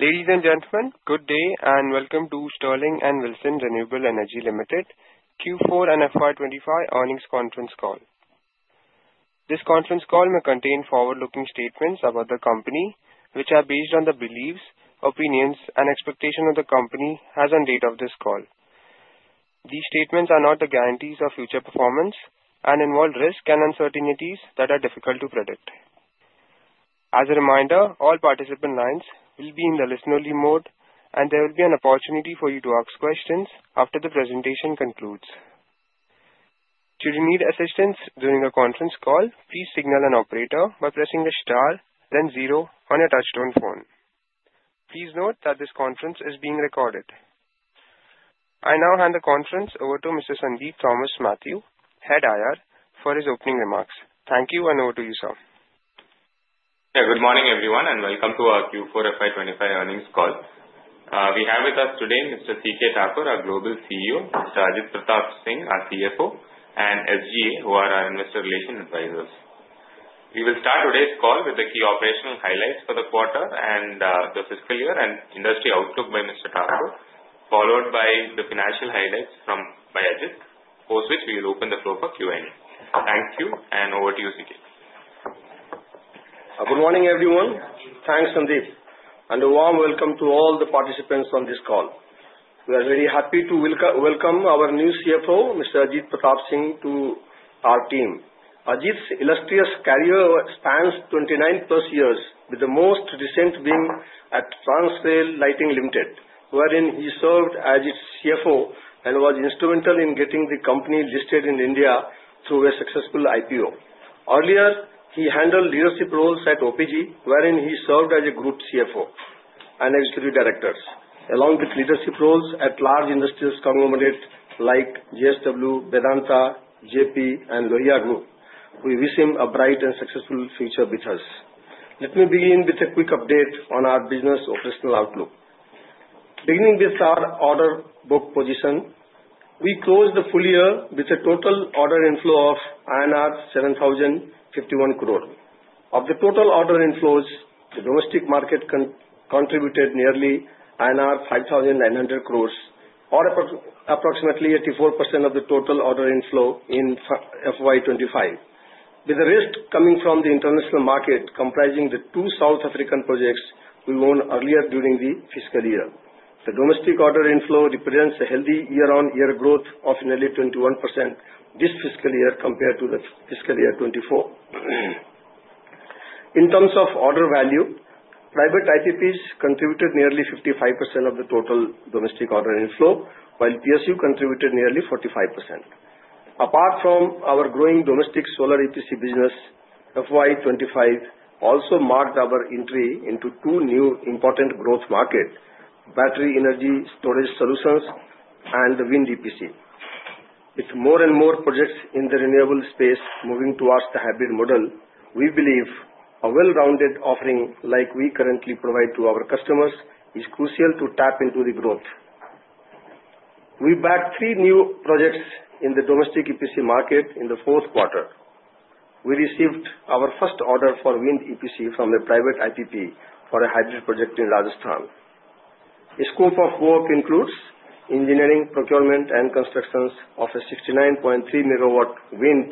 Ladies and gentlemen, good day and welcome to Sterling and Wilson Renewable Energy Limited Q4 and FY2025 Earnings Conference Call. This conference call may contain forward-looking statements about the company, which are based on the beliefs, opinions, and expectations the company has on the date of this call. These statements are not the guarantees of future performance and involve risks and uncertainties that are difficult to predict. As a reminder, all participant lines will be in the listen-only mode, and there will be an opportunity for you to ask questions after the presentation concludes. Should you need assistance during the conference call, please signal an operator by pressing the star, then zero on your touch-tone phone. Please note that this conference is being recorded. I now hand the conference over to Mr. Sandeep Thomas Mathew, Head IR, for his opening remarks. Thank you, and over to you, sir. Yeah, good morning, everyone, and welcome to our Q4 FY2025 Earnings Call. We have with us today Mr. C. K. Thakur, our Global CEO, Mr. Ajit Pratap Singh, our CFO, and SGA, who are our Investor Relations Advisors. We will start today's call with the key operational highlights for the quarter and the fiscal year and industry outlook by Mr. Thakur, followed by the financial highlights from Ajit, post which we will open the floor for Q&A. Thank you, and over to you, C.K. Good morning, everyone. Thanks, Sandeep, and a warm welcome to all the participants on this call. We are very happy to welcome our new CFO, Mr. Ajit Pratap Singh, to our team. Ajit's illustrious career spans 29 plus years, with the most recent being at Transrail Lighting Limited, wherein he served as its CFO and was instrumental in getting the company listed in India through a successful IPO. Earlier, he handled leadership roles at OPG, wherein he served as Group CFO and Executive Director, along with leadership roles at large industrial conglomerates like JSW, Vedanta, Jaypee, and Lohia Group. We wish him a bright and successful future with us. Let me begin with a quick update on our business operational outlook. Beginning with our order book position, we closed the full year with a total order inflow of INR 7,051 crore. Of the total order inflows, the domestic market contributed nearly INR 5,900 crore, or approximately 84% of the total order inflow in 2025, with the rest coming from the international market comprising the two South African projects we won earlier during the fiscal year. The domestic order inflow represents a healthy year-on-year growth of nearly 21% this fiscal year compared to the Fiscal Year 2024. In terms of order value, private IPPs contributed nearly 55% of the total domestic order inflow, while PSU contributed nearly 45%. Apart from our growing domestic solar EPC business, FY 2025 also marked our entry into two new important growth markets: battery energy storage solutions and the wind EPC. With more and more projects in the renewable space moving towards the hybrid model, we believe a well-rounded offering like we currently provide to our customers is crucial to tap into the growth. We backed three new projects in the domestic EPC market in the fourth quarter. We received our first order for wind EPC from a private IPP for a hybrid project in Rajasthan. The scope of work includes engineering, procurement, and construction of a 69.3 megawatt wind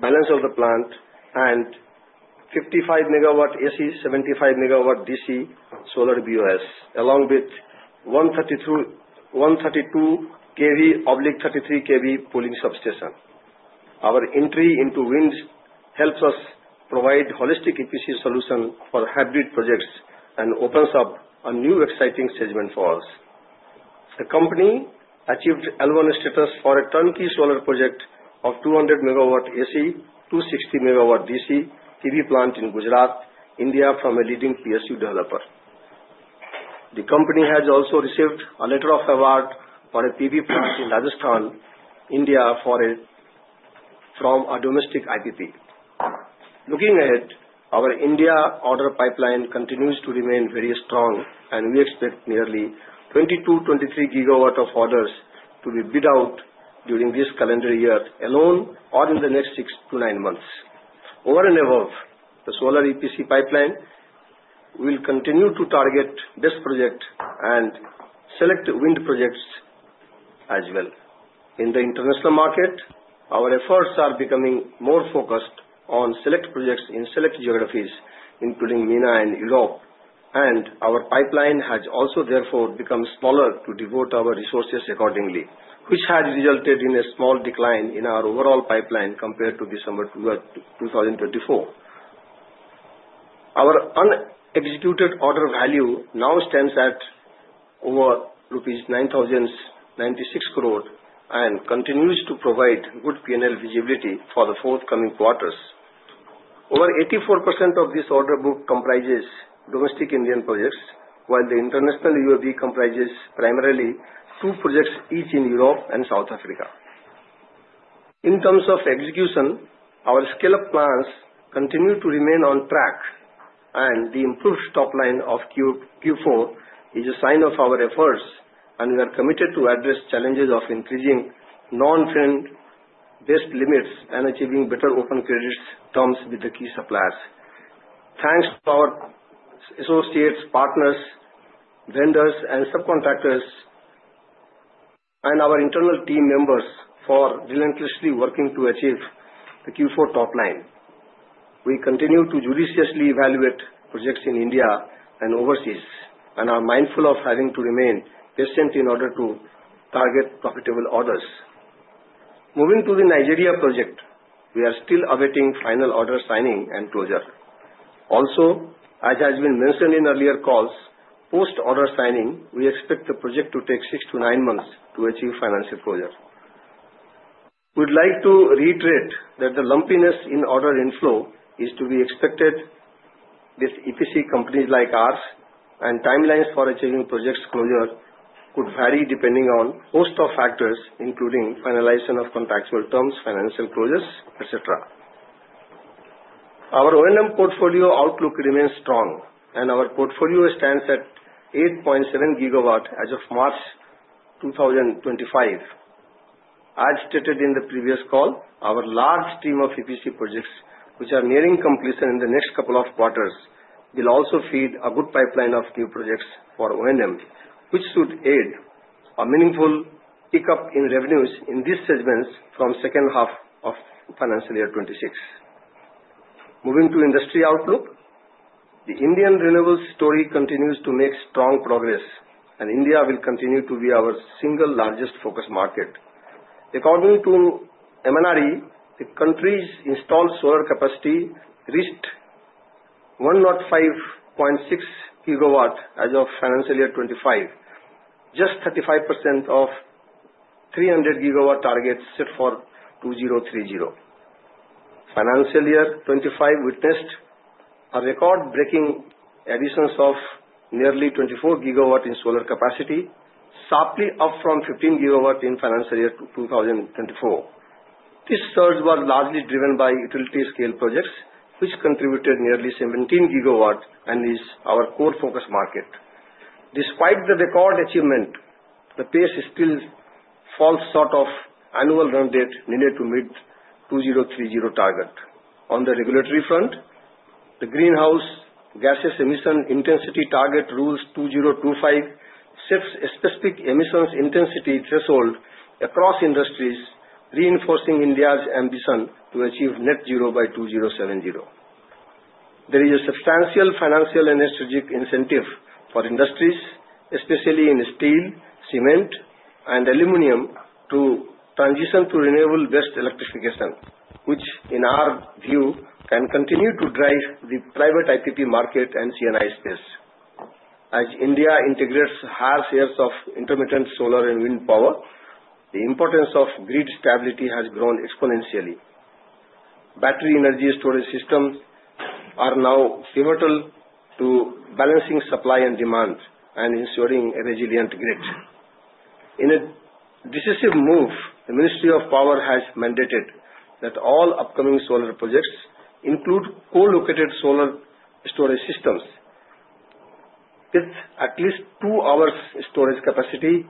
Balance of Plant and 55 megawatt AC (75 megawatt DC) solar BOS, along with a 132 kV/33 kV pooling substation. Our entry into wind helps us provide a holistic EPC solution for hybrid projects and opens up a new exciting segment for us. The company achieved L1 status for a turnkey solar project of 200 megawatt AC (260 megawatt DC) PV plant in Gujarat, India from a leading PSU developer. The company has also received a letter of award for a PV plant in Rajasthan, India from a domestic IPP. Looking ahead, our India order pipeline continues to remain very strong, and we expect nearly 22-23 gigawatts of orders to be bid out during this calendar year alone or in the next six to nine months. Over and above the solar EPC pipeline, we will continue to target this project and select wind projects as well. In the international market, our efforts are becoming more focused on select projects in select geographies, including MENA and Europe, and our pipeline has also therefore become smaller to devote our resources accordingly, which has resulted in a small decline in our overall pipeline compared to December 2024. Our unexecuted order value now stands at over rupees 9,096 crore and continues to provide good P&L visibility for the forthcoming quarters. Over 84% of this order book comprises domestic Indian projects, while the international UOV comprises primarily two projects each in Europe and South Africa. In terms of execution, our scale-up plans continue to remain on track, and the improved top line of Q4 is a sign of our efforts, and we are committed to addressing challenges of increasing non-fund based limits and achieving better open credit terms with the key suppliers. Thanks to our associates, partners, vendors, and subcontractors, and our internal team members for relentlessly working to achieve the Q4 top line. We continue to judiciously evaluate projects in India and overseas and are mindful of having to remain patient in order to target profitable orders. Moving to the Nigeria project, we are still awaiting final order signing and closure. Also, as has been mentioned in earlier calls, post-order signing, we expect the project to take six to nine months to achieve financial closure. We'd like to reiterate that the lumpiness in order inflow is to be expected with EPC companies like ours, and timelines for achieving project closure could vary depending on a host of factors, including finalization of contractual terms, financial closures, etc. Our O&M portfolio outlook remains strong, and our portfolio stands at 8.7 gigawatts as of March 2025. As stated in the previous call, our large team of EPC projects, which are nearing completion in the next couple of quarters, will also feed a good pipeline of new projects for O&M, which should aid a meaningful pickup in revenues in these segments from the second half of Financial Year 2026. Moving to industry outlook, the Indian renewable story continues to make strong progress, and India will continue to be our single largest focus market. According to MNRE, the country's installed solar capacity reached 105.6 gigawatts as of Financial Year 2025, just 35% of the 300 gigawatt target set for 2030. Financial Year 2025 witnessed a record-breaking addition of nearly 24 gigawatts in solar capacity, sharply up from 15 gigawatts in Financial Year 2024. This surge was largely driven by utility-scale projects, which contributed nearly 17 gigawatts and is our core focus market. Despite the record achievement, the pace is still far short of the annual run rate needed to meet the 2030 target. On the regulatory front, the Greenhouse Gases Emission Intensity Target Rules 2025 set a specific emissions intensity threshold across industries, reinforcing India's ambition to achieve net zero by 2070. There is a substantial financial and strategic incentive for industries, especially in steel, cement, and aluminum, to transition to renewable-based electrification, which, in our view, can continue to drive the private IPP market and C&I space. As India integrates higher shares of intermittent solar and wind power, the importance of grid stability has grown exponentially. Battery Energy Storage Systems are now pivotal to balancing supply and demand and ensuring a resilient grid. In a decisive move, the Ministry of Power has mandated that all upcoming solar projects include co-located solar storage systems with at least two hours' storage capacity,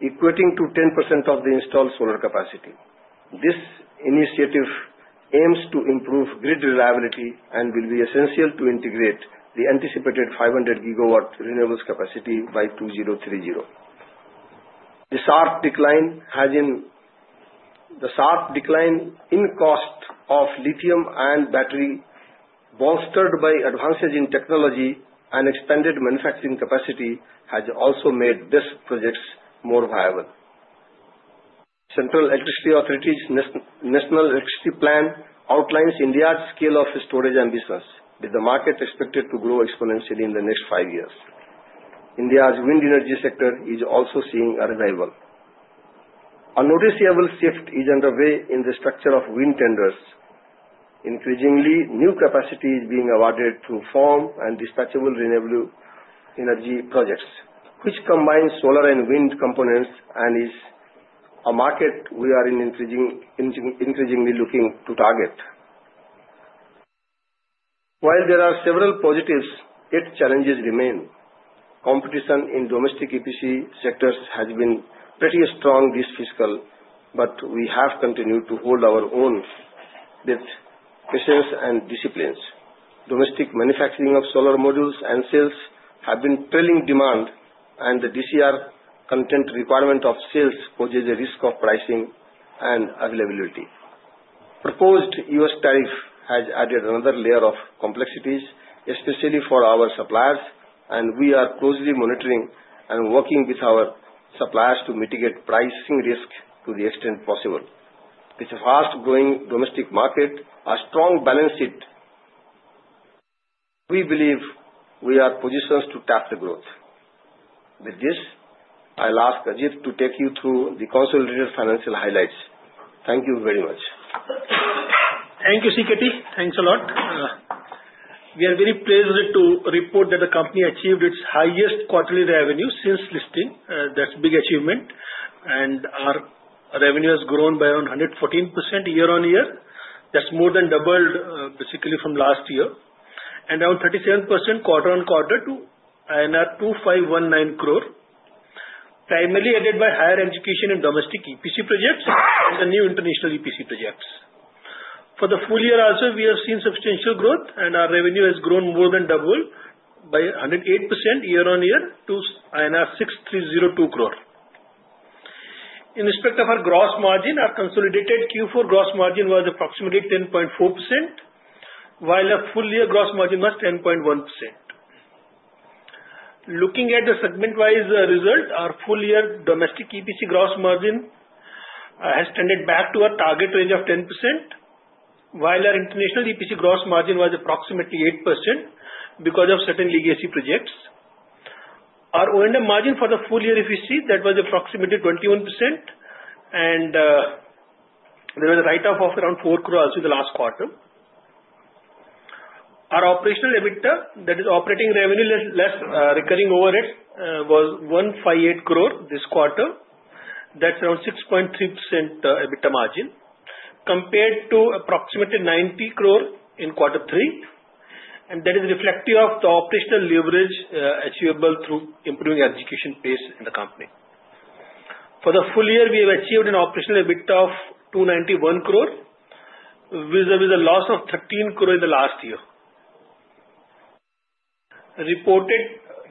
equating to 10% of the installed solar capacity. This initiative aims to improve grid reliability and will be essential to integrate the anticipated 500 gigawatt renewables capacity by 2030. The sharp decline in cost of lithium-ion batteries, bolstered by advances in technology and expanded manufacturing capacity, has also made these projects more viable. Central Electricity Authority's National Electricity Plan outlines India's scale of storage ambitions, with the market expected to grow exponentially in the next five years. India's wind energy sector is also seeing a revival. A noticeable shift is underway in the structure of wind tenders. Increasingly, new capacity is being awarded through firm and dispatchable renewable energy projects, which combine solar and wind components and is a market we are increasingly looking to target. While there are several positives, yet challenges remain. Competition in domestic EPC sectors has been pretty strong this fiscal, but we have continued to hold our own with patience and discipline. Domestic manufacturing of solar modules and cells has been trailing demand, and the DCR content requirement of cells poses a risk of pricing and availability. Proposed US tariff has added another layer of complexities, especially for our suppliers, and we are closely monitoring and working with our suppliers to mitigate pricing risk to the extent possible. With a fast-growing domestic market, a strong balance sheet, we believe we are positioned to tap the growth. With this, I'll ask Ajit to take you through the consolidated financial highlights. Thank you very much. Thank you, C.K.T. Thanks a lot. We are very pleased to report that the company achieved its highest quarterly revenue since listing. That is a big achievement. Our revenue has grown by around 114% year-on-year. That is more than doubled, basically, from last year. Around 37% quarter-on-quarter to INR 2,519 crore, primarily aided by higher execution in domestic EPC projects and the new international EPC projects. For the full year also, we have seen substantial growth, and our revenue has grown more than double by 108% year-on-year to INR 6,302 crore. In respect of our gross margin, our consolidated Q4 gross margin was approximately 10.4%, while our full-year gross margin was 10.1%. Looking at the segment-wise result, our full-year domestic EPC gross margin has tended back to our target range of 10%, while our international EPC gross margin was approximately 8% because of certain legacy projects. Our O&M margin for the Full-Year EPC, that was approximately 21%, and there was a write-off of around 4 crores in the last quarter. Our operational EBITDA, that is, operating revenue less recurring overhead, was 158 crores this quarter. That's around 6.3% EBITDA margin compared to approximately 90 crores in quarter three, and that is reflective of the operational leverage achievable through improving execution pace in the company. For the full year, we have achieved an operational EBITDA of 291 crores with a loss of 13 crores in the last year. Reported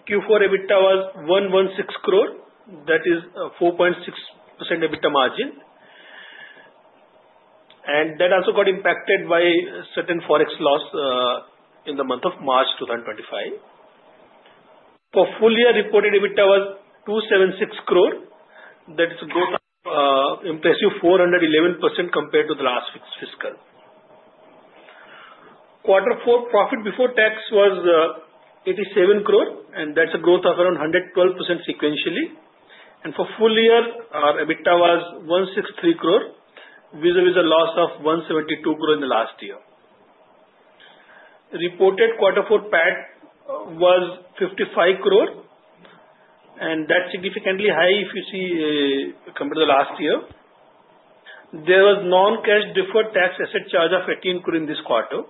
Q4 EBITDA was 116 crores that is, 4.6% EBITDA margin, and that also got impacted by certain forex loss in the month of March 2025. For full-year reported EBITDA was 276 crores that is a growth of impressive 411% compared to the last fiscal. Quarter four profit before tax was 87 crore, and that's a growth of around 112% sequentially. For full year, our EBITDA was 163 crore, with a loss of 172 crore in the last year. Reported quarter four PAT was 55 crore, and that's significantly high if you see compared to the last year. There was non-cash deferred tax asset charge of 18 crore in this quarter.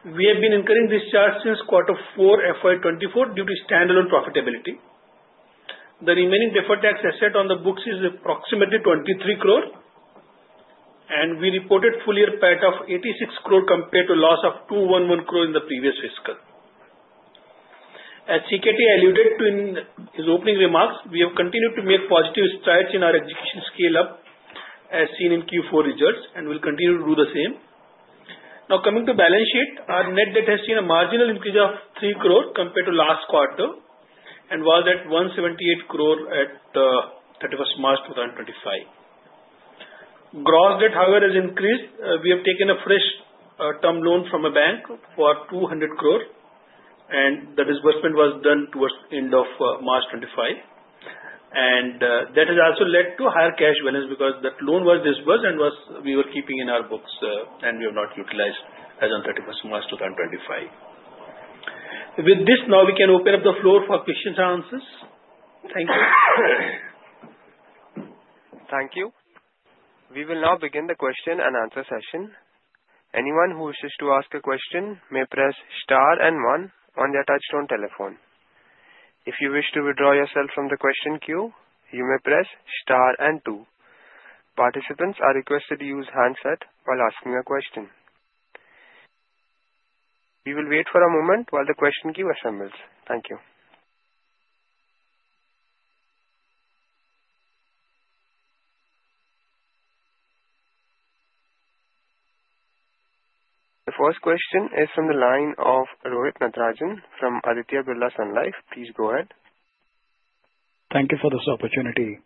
We have been incurring this charge since quarter four FY2024 due to standalone profitability. The remaining deferred tax asset on the books is approximately 23 crore, and we reported full-year PAT of 86 crore compared to a loss of 211 crore in the previous fiscal. As C.K.T. alluded to in his opening remarks, we have continued to make positive strides in our execution scale-up, as seen in Q4 results, and we'll continue to do the same. Now, coming to balance sheet, our net debt has seen a marginal increase of 3 crore compared to last quarter and was at 178 crore at 31 March 2025. Gross debt, however, has increased. We have taken a fresh term loan from a bank for 200 crore, and the disbursement was done towards the end of March 2025, and that has also led to higher cash balance because that loan was disbursed and we were keeping in our books, and we have not utilized as on 31st March 2025. With this, now we can open up the floor for questions and answers. Thank you. Thank you. We will now begin the question and answer session. Anyone who wishes to ask a question may press star and one on the touch-tone telephone. If you wish to withdraw yourself from the question queue, you may press star and two. Participants are requested to use handset while asking a question. We will wait for a moment while the question queue assembles. Thank you. The first question is from the line of Rohit Natarajan from Aditya Birla Sun Life. Please go ahead. Thank you for this opportunity.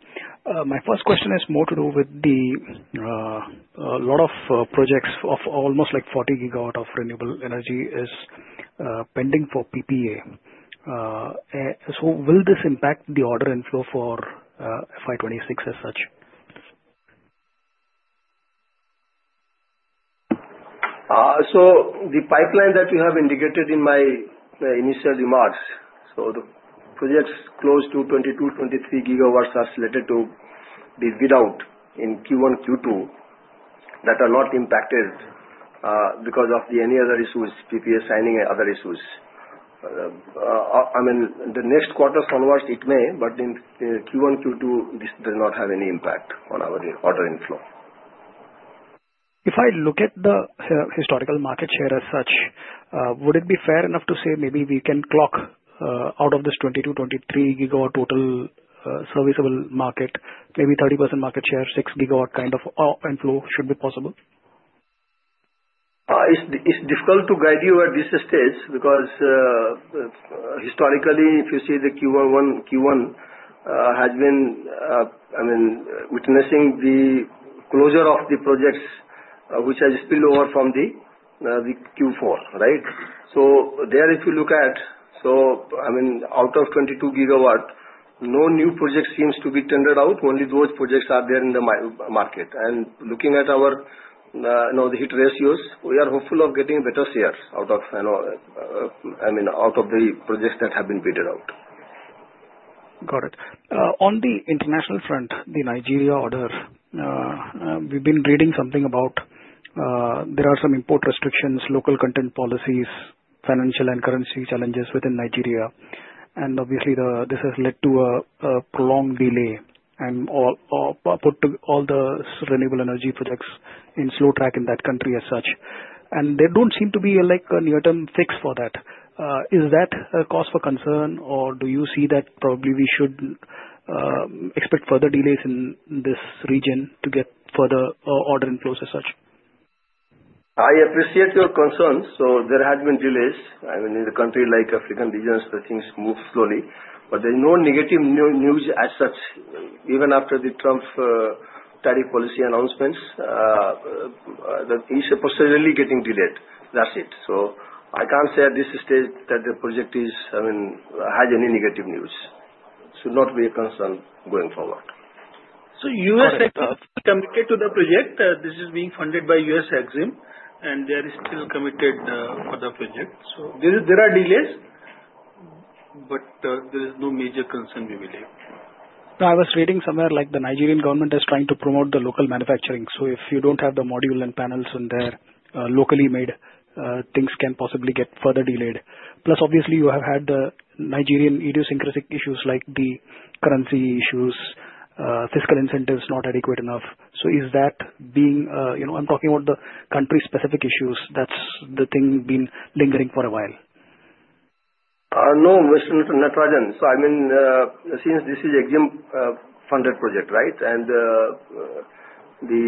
My first question has more to do with the lot of projects of almost like 40 gigawatts of renewable energy is pending for PPA. Will this impact the order inflow for FY 2026 as such? The pipeline that you have indicated in my initial remarks, the projects close to 22-23 gigawatts are slated to be bid out in Q1, Q2 that are not impacted because of any other issues, PPA signing, and other issues. I mean, the next quarter onwards, it may, but in Q1, Q2, this does not have any impact on our order inflow. If I look at the historical market share as such, would it be fair enough to say maybe we can clock out of this 22-23 gigawatt total serviceable market, maybe 30% market share, 6 gigawatt kind of inflow should be possible? It's difficult to guide you at this stage because historically, if you see the Q1, Q1 has been, I mean, witnessing the closure of the projects which has spilled over from the Q4, right? So there, If you look at, I mean, out of 22 gigawatts, no new project seems to be tendered out. Only those projects are there in the market. Looking at our hit ratios, we are hopeful of getting better shares out of, I mean, out of the projects that have been bid out. Got it. On the international front, the Nigeria order, we've been reading something about there are some import restrictions, local content policies, financial and currency challenges within Nigeria. Obviously, this has led to a prolonged delay and put all the renewable energy projects in slow track in that country as such. There do not seem to be a near-term fix for that. Is that a cause for concern, or do you see that probably we should expect further delays in this region to get further order inflows as such? I appreciate your concerns. So there have been delays. I mean, in a country like African regions, things move slowly. There is no negative news as such. Even after the Trump tariff policy announcements, it's supposedly getting delayed that's it. I can't say at this stage that the project is, I mean, has any negative news. Should not be a concern going forward. So US EXIM is still committed to the project. This is being funded by US EXIM, and they are still committed for the project. There are delays, but there is no major concern, we believe. Now, I was reading somewhere like the Nigerian government is trying to promote the local manufacturing. If you do not have the module and panels in there, locally made, things can possibly get further delayed. Plus, obviously, you have had the Nigerian idiosyncratic issues like the currency issues, fiscal incentives not adequate enough. Is that being, I am talking about the country-specific issues. That is the thing being lingering for a while. No, Mr. Natarajan. I mean, since this is a EXIM-funded project, right, and the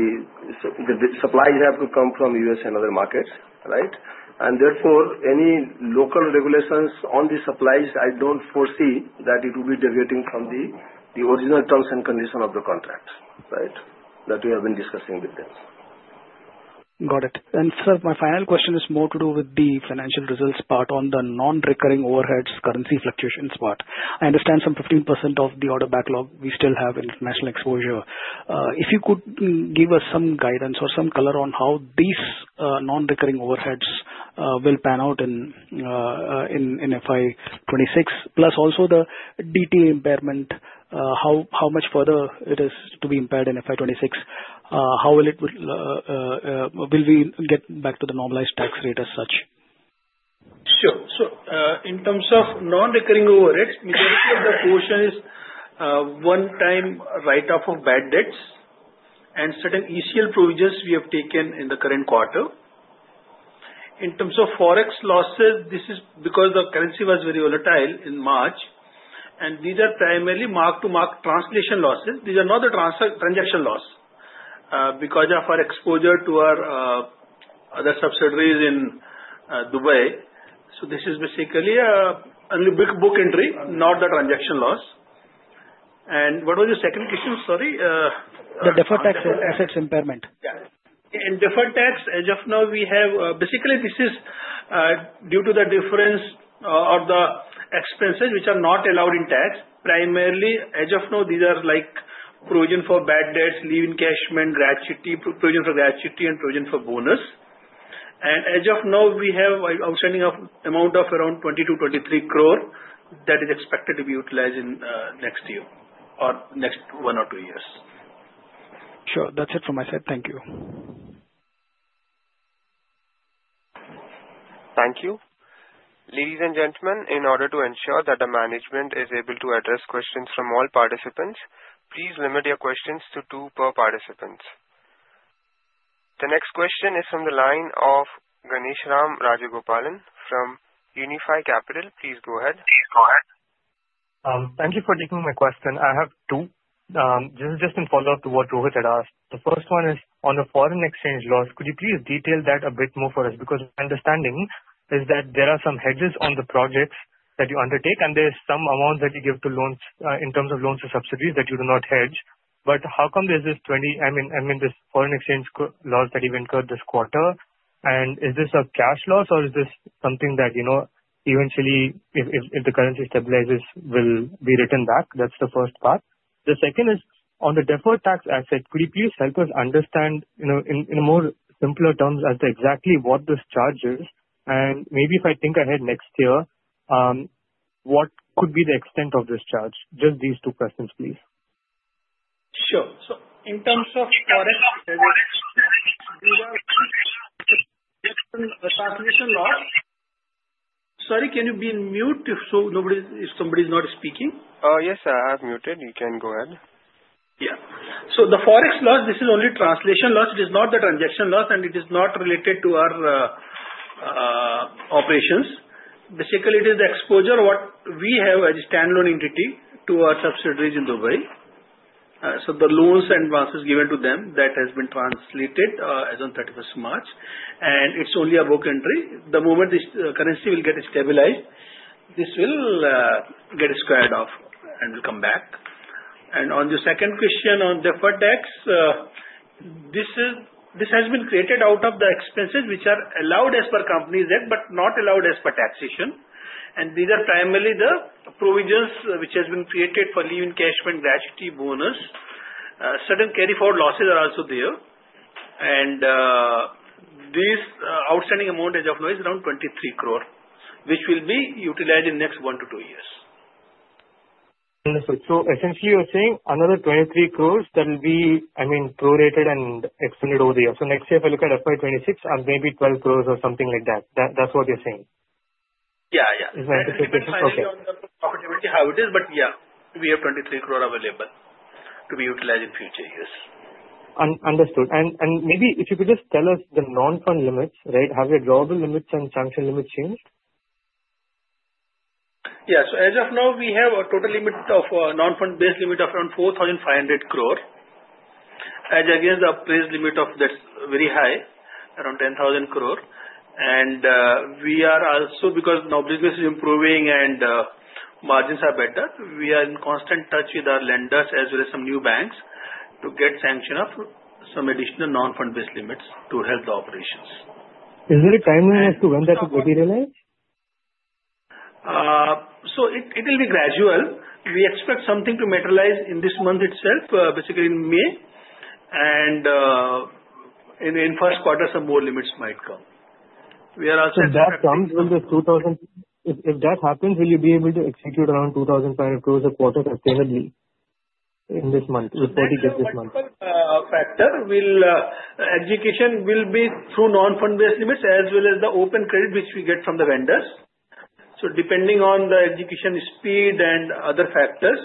supplies have to come from US and other markets, right? Therefore, any local regulations on the supplies, I don't foresee that it will be deviating from the original terms and conditions of the contract, right, that we have been discussing with them. Got it. Sir, my final question is more to do with the financial results part on the non-recurring overheads, currency fluctuations part. I understand some 15% of the order backlog, we still have international exposure. If you could give us some guidance or some color on how these non-recurring overheads will pan out in FY 2026, plus also the DTA impairment, how much further it is to be impaired in FY 2026, how will we get back to the normalized tax rate as such? Sure. In terms of non-recurring overheads, majority of the quotient is one-time write-off of bad debts and certain ECL provisions we have taken in the current quarter. In terms of forex losses, this is because the currency was very volatile in March, and these are primarily mark-to-mark translation losses. These are not the transaction loss because of our exposure to our other subsidiaries in Dubai. This is basically only book entry, not the transaction loss. What was your second question? Sorry. The deferred tax assets impairment. Yeah. Deferred tax, as of now, we have basically, this is due to the difference of the expenses which are not allowed in tax. Primarily, as of now, these are like provision for bad debts, leave encashment, gratuity, provision for gratuity, and provision for bonus. As of now, we have outstanding amount of around 22 crore-23 crore that is expected to be utilized in next year or next one or two years. Sure. That's it from my side. Thank you. Thank you. Ladies and gentlemen, in order to ensure that the management is able to address questions from all participants, please limit your questions to two per participant. The next question is from the line of Ganeshram Rajagopalan from Unifi Capital. Please go ahead. Please go ahead. Thank you for taking my question. I have two. This is just in follow-up to what Rohit had asked. The first one is on the foreign exchange loss. Could you please detail that a bit more for us? Because my understanding is that there are some hedges on the projects that you undertake, and there's some amount that you give to loans in terms of loans or subsidies that you do not hedge. How come there's this 20, I mean, this foreign exchange loss that you've incurred this quarter? Is this a cash loss, or is this something that eventually, if the currency stabilizes, will be written back? That's the first part. The second is on the deferred tax asset, could you please help us understand in more simpler terms as to exactly what this charge is? If I think ahead to next year, what could be the extent of this charge? Just these two questions, please. Sure. In terms of forex, the translation loss—sorry, can you be on mute if somebody is not speaking? Yes, I have muted. You can go ahead. Yeah. The forex loss, this is only translation loss. It is not the transaction loss, and it is not related to our operations. Basically, it is the exposure of what we have as a standalone entity to our subsidiaries in Dubai. The loans and advances given to them have been translated as on 31st March. It is only a book entry. The moment this currency will get stabilized, this will get squared off and will come back. On the second question on deferred tax, this has been created out of the expenses which are allowed as per Company's Act, but not allowed as per taxation. These are primarily the provisions which have been created for leave encashment, gratuity, bonus. Certain carry-forward losses are also there. This outstanding amount as of now is around 23 crore, which will be utilized in the next one to two years. Understood. So essentially, you're saying another 23 crore that will be, I mean, prorated and expanded over the years. Next year, if I look at FY 2026, it may be 12 crore or something like that. That's what you're saying. Yeah, yeah. Is my interpretation okay? Depending on the profitability, how it is, but yeah, we have 23 crore available to be utilized in future years. Understood. Maybe if you could just tell us the non-fund limits, right? Have the drawable limits and sanction limits changed? Yeah. As of now, we have a total limit of non-fund base limit of around 4,500 crore, as against the appraised limit that is very high, around 10,000 crore. We are also, because now business is improving and margins are better, we are in constant touch with our lenders as well as some new banks to get sanctioned up some additional non-fund base limits to help the operations. Is there a timeliness to when that will be realized? It will be gradual. We expect something to materialize in this month itself, basically in May. In the first quarter, some more limits might come. We are also expecting. If that comes, will the 2,000, if that happens, will you be able to execute around 2,500 crore a quarter sustainably in this month, with 40 GW this month? The non-fund factor will execution will be through non-fund base limits as well as the open credit which we get from the vendors. Depending on the execution speed and other factors,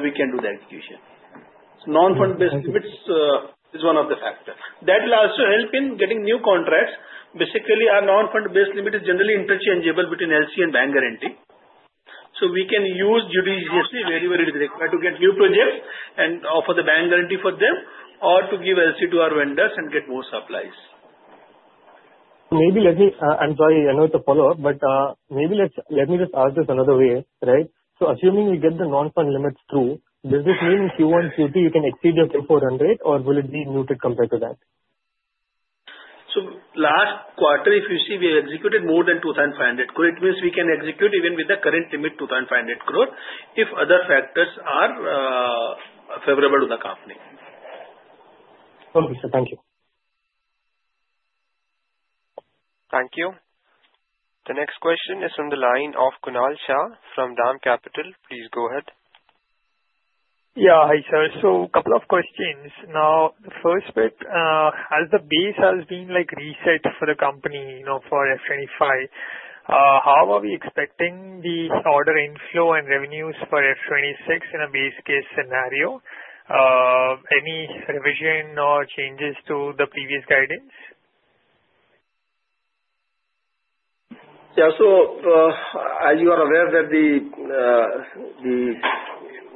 we can do the execution. Non-fund base limits is one of the factors. That will also help in getting new contracts. Basically, our non-fund base limit is generally interchangeable between LC and bank guarantee. We can use judiciously, wherever it is required, to get new projects and offer the bank guarantee for them or to give LC to our vendors and get more supplies. Maybe let me—I'm sorry, I know it's a follow-up, but maybe let me just ask this another way, right? Assuming we get the non-fund limits through, does this mean in Q1, Q2, you can exceed your Q4 run rate, or will it be muted compared to that? Last quarter, if you see, we executed more than 2,500 crore. It means we can execute even with the current limit, 2,500 crore, if other factors are favorable to the company. Okay, sir. Thank you. Thank you. The next question is from the line of Kunal Shah from DAM Capital. Please go ahead. Yeah, hi sir. A couple of questions. The first bit, as the base has been reset for the company for FY 25, how are we expecting the order inflow and revenues for FY 26 in a base case scenario? Any revision or changes to the previous guidance? Yeah. As you are aware, the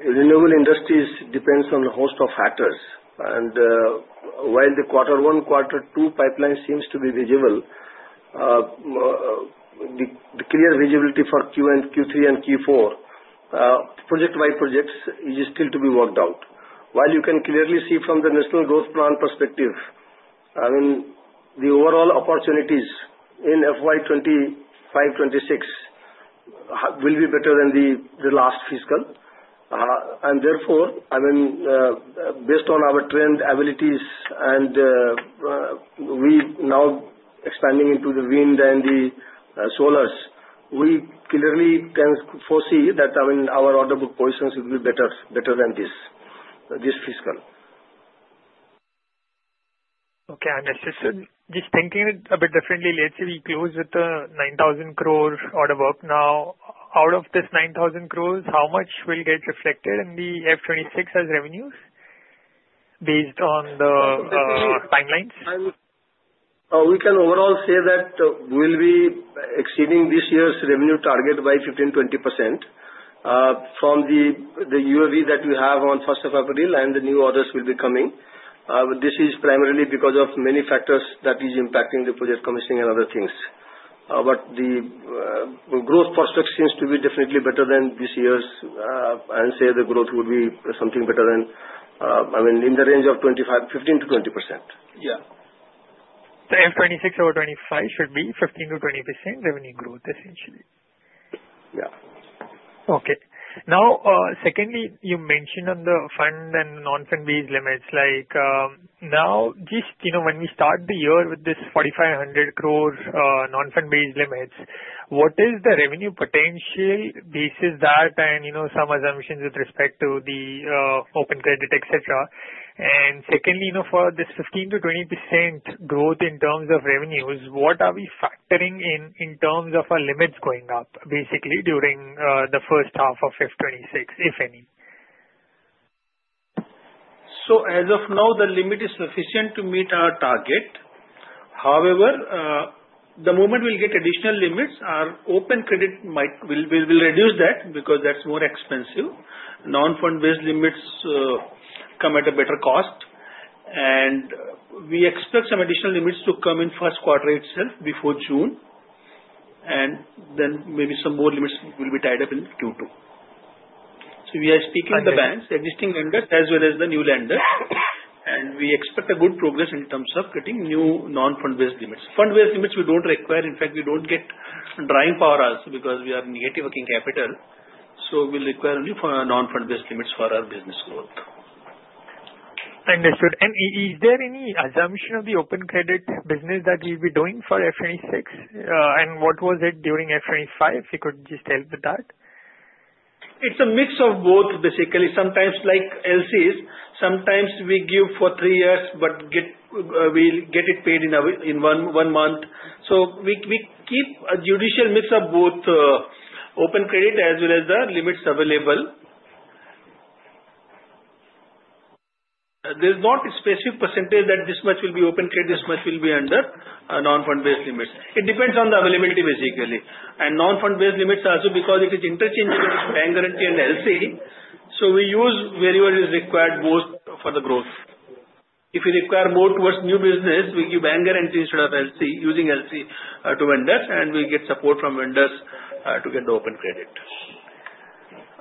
renewable industry depends on a host of factors. While the quarter one, quarter two pipeline seems to be visible, the clear visibility for Q1, Q3, and Q4 project-wide projects is still to be worked out. You can clearly see from the national growth plan perspective, I mean, the overall opportunities in FY 25, FY 26 will be better than the last fiscal. Therefore, I mean, based on our trend, abilities, and we now expanding into the wind and the solars, we clearly can foresee that, I mean, our order book positions will be better than this fiscal. Okay. Just thinking a bit differently, let's say we close with the 9,000 crore order book now. Out of this 9,000 crore, how much will get reflected in the FY 26 as revenues based on the timelines? We can overall say that we'll be exceeding this year's revenue target by 15%-20% from the UOV that we have on 1st April, and the new orders will be coming. This is primarily because of many factors that are impacting the project commissioning and other things. The growth prospects seem to be definitely better than this year's, and say the growth would be something better than, I mean, in the range of 15%-20%. Yeah. F26 over F25 should be 15-20% revenue growth, essentially. Yeah. Okay. Now, secondly, you mentioned on the fund and non-fund base limits, like now, just when we start the year with this 4,500 crore non-fund base limits, what is the revenue potential basis that and some assumptions with respect to the open credit, etc.? Secondly, for this 15%-20% growth in terms of revenues, what are we factoring in terms of our limits going up, basically, during the first half of F26, if any? As of now, the limit is sufficient to meet our target. However, the moment we get additional limits, our open credit will reduce because that's more expensive. Non-fund base limits come at a better cost. We expect some additional limits to come in first quarter itself before June. Maybe some more limits will be tied up in Q2. We are speaking to the banks, existing lenders, as well as the new lenders. We expect good progress in terms of getting new non-fund base limits. Fund base limits we don't require. In fact, we don't get drawing power because we are negative working capital. We will require only non-fund base limits for our business growth. Understood. Is there any assumption of the open credit business that we will be doing for F2026? What was it during F2025? If you could just help with that. It's a mix of both, basically. Sometimes like LCs, sometimes we give for three years, but we'll get it paid in one month. We keep a judicial mix of both open credit as well as the limits available. There's not a specific percentage that this much will be open credit, this much will be under non-fund base limits. It depends on the availability, basically. Non-fund base limits also, because it is interchangeable with bank guarantee and LC. We use wherever it is required, both for the growth. If we require more towards new business, we give bank guarantee instead of using LC to vendors, and we get support from vendors to get the open credit.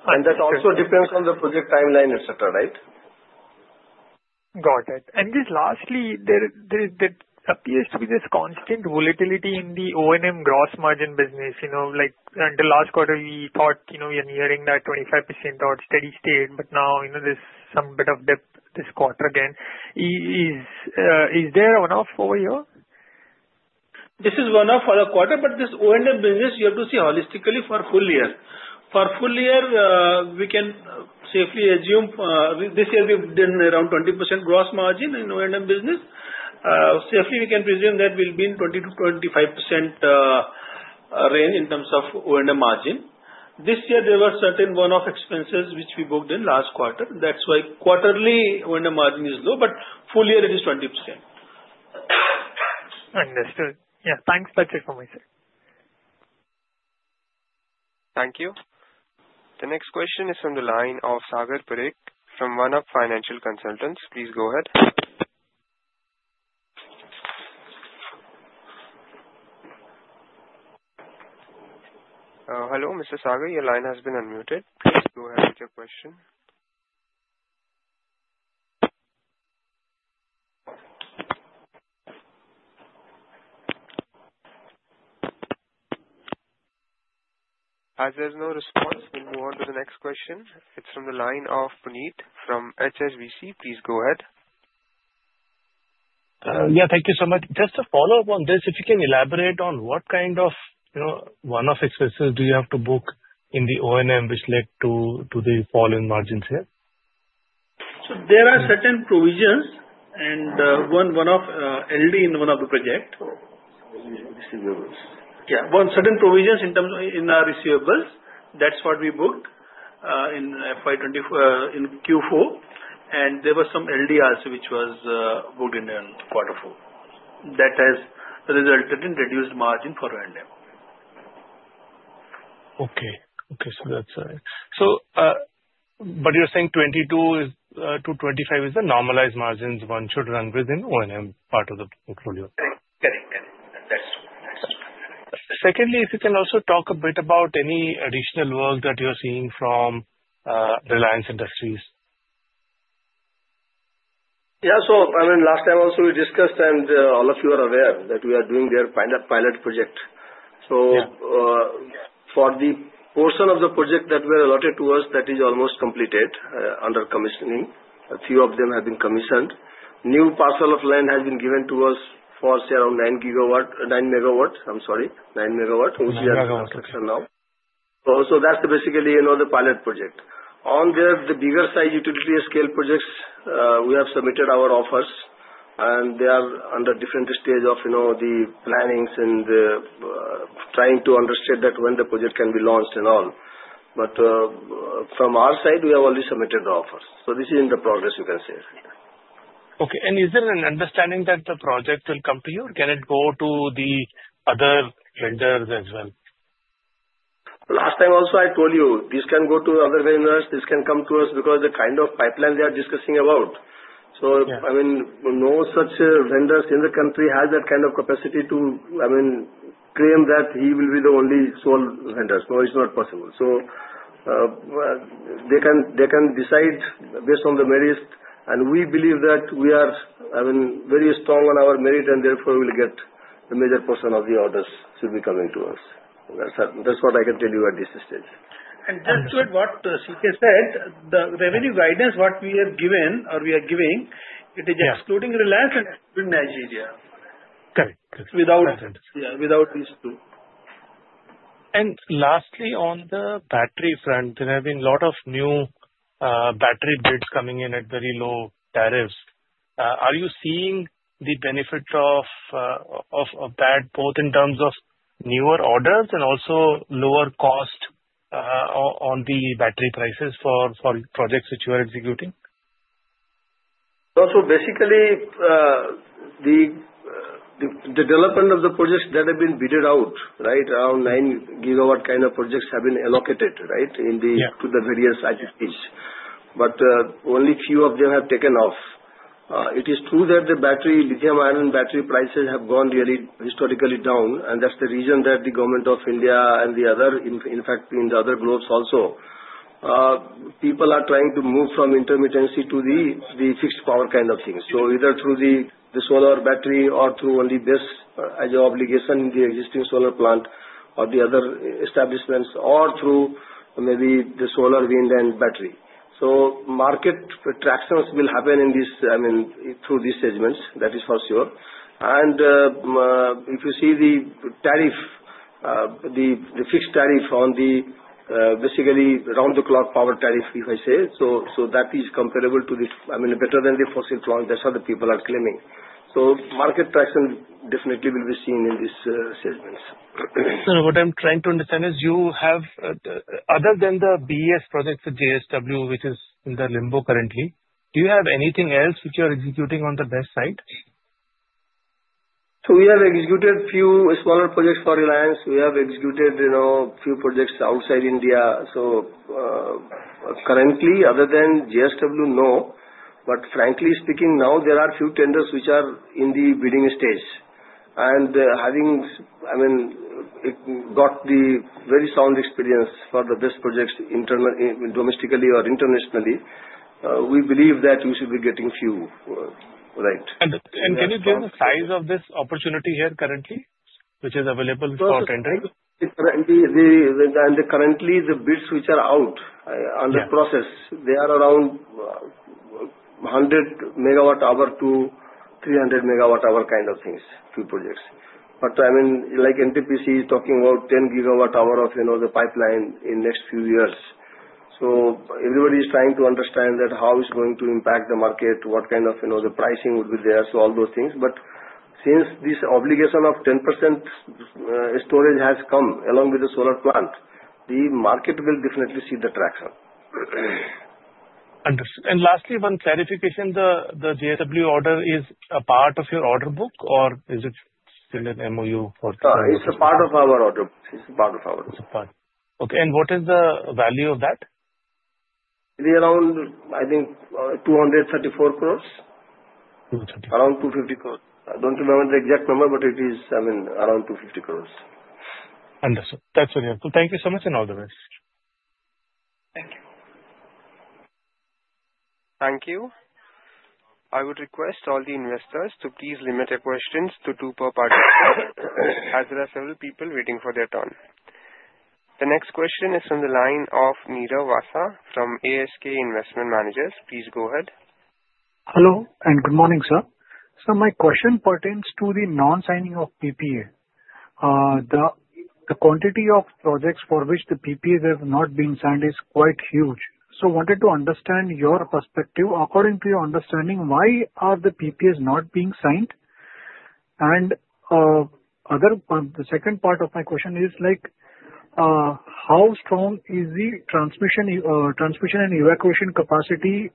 That also depends on the project timeline, etc., right? Got it. Just lastly, there appears to be this constant volatility in the O&M gross margin business. Like until last quarter, we thought we are nearing that 25% or steady state, but now there is some bit of dip this quarter again. Is there one-off over here? This is one-off for the quarter, but this O&M business, you have to see holistically for full year. For full year, we can safely assume this year we've done around 20% gross margin in O&M business. Safely, we can presume that we'll be in 20-25% range in terms of O&M margin. This year, there were certain one-off expenses which we booked in last quarter. That's why quarterly O&M margin is low, but full year, it is 20%. Understood. Yeah. Thanks for checking for me, sir. Thank you. The next question is from the line of Sagar Parekh from OneUp Financial Consultants. Please go ahead. Hello, Mr. Sagar. Your line has been unmuted. Please go ahead with your question. As there is no response, we will move on to the next question. It is from the line of Puneet from HSBC. Please go ahead. Yeah. Thank you so much. Just to follow up on this, if you can elaborate on what kind of one-off expenses do you have to book in the O&M which led to the fall in margins here? There are certain provisions and one-off LD in one of the project. Receivables. Yeah. One certain provisions in our receivables. That's what we booked in Q4. There were some LDs which were booked in Q4. That has resulted in reduced margin for O&M. Okay. Okay. That's all right. But you're saying 22%-25% is the normalized margins one should run within O&M part of the portfolio. Correct. That's true. Secondly, if you can also talk a bit about any additional work that you're seeing from Reliance Industries. Yeah. I mean, last time also we discussed, and all of you are aware that we are doing their pilot project. For the portion of the project that was allotted to us, that is almost completed under commissioning. A few of them have been commissioned. New parcel of land has been given to us for around 9 gigawatts. I'm sorry. 9 megawatts, which is under construction now. That's basically the pilot project. On their bigger size utility scale projects, we have submitted our offers, and they are under different stages of the plannings and trying to understand when the project can be launched and all. From our side, we have already submitted the offers. This is in progress, you can say. Okay. Is there an understanding that the project will come to you, or can it go to the other vendors as well? Last time also, I told you, this can go to other vendors. This can come to us because the kind of pipeline they are discussing about. I mean, no such vendors in the country have that kind of capacity to, I mean, claim that he will be the only sole vendor. It is not possible. They can decide based on the merit. We believe that we are, I mean, very strong on our merit, and therefore we will get the major portion of the orders should be coming to us. That is what I can tell you at this stage. Just to add what C.K. said, the revenue guidance, what we have given or we are giving, it is excluing Reliance and Nigeria. Correct. Without these two. Lastly, on the battery front, there have been a lot of new battery bids coming in at very low tariffs. Are you seeing the benefit of that both in terms of newer orders and also lower cost on the battery prices for projects that you are executing? Basically, the development of the projects that have been bid out, right, around 9 gigawatt kind of projects have been allocated, right, to the various IPPs. Only a few of them have taken off. It is true that the battery, lithium-ion battery prices have gone really historically down, and that's the reason that the government of India and the other, in fact, in the other globes also, people are trying to move from intermittency to the fixed power kind of things. Either through the solar battery or through only this as your obligation in the existing solar plant or the other establishments or through maybe the solar, wind, and battery. Market retractions will happen in this, I mean, through these segments. That is for sure. If you see the tariff, the fixed tariff on the basically round-the-clock power tariff, if I say, that is comparable to the, I mean, better than the fossil plant that other people are claiming. Market traction definitely will be seen in these segments. What I'm trying to understand is you have, other than the BESS projects at JSW, which is in limbo currently, do you have anything else which you are executing on the BESS side? We have executed a few smaller projects for Reliance. We have executed a few projects outside India. Currently, other than JSW, no. Frankly speaking, now there are a few tenders which are in the bidding stage. Having, I mean, got the very sound experience for the BESS projects domestically or internationally, we believe that we should be getting few, right? Can you give the size of this opportunity here currently, which is available for tendering? Currently, the bids which are out under process, they are around 100 megawatt hour-300 megawatt hour kind of things, two projects. I mean, like NTPC is talking about 10 gigawatt hour of the pipeline in the next few years. Everybody is trying to understand that how it's going to impact the market, what kind of the pricing would be there, all those things. Since this obligation of 10% storage has come along with the solar plant, the market will definitely see the traction. Understood. Lastly, one clarification. The JSW order is a part of your order book, or is it still an MOU for the? It's a part of our order book. It's a part. Okay. What is the value of that? It is around, I think, 234 croress. 234. Around 250 crore. I do not remember the exact number, but it is, I mean, around 250 crores. Understood. That's very helpful. Thank you so much and all the best. Thank you. Thank you. I would request all the investors to please limit their questions to two per party as there are several people waiting for their turn. The next question is from the line of Nirav Vasa from ASK Investment Managers. Please go ahead. Hello, and good morning, sir. My question pertains to the non-signing of PPA. The quantity of projects for which the PPAs have not been signed is quite huge. I wanted to understand your perspective. According to your understanding, why are the PPAs not being signed? The second part of my question is, how strong is the transmission and evacuation capacity